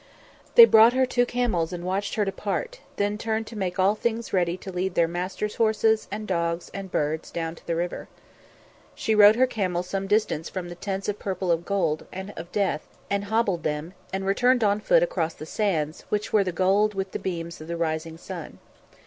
They brought her two camels and watched her depart, then turned to make all things ready to lead their Master's horses, and dogs, and birds down to the river. She rode her camel some distance from the Tents of Purple and of Gold and of Death, and hobbled them, and returned on foot across the sands, which were gold with the beams of the risen sun.